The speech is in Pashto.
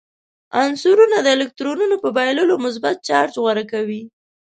عنصرونه د الکترونونو په بایللو مثبت چارج غوره کوي.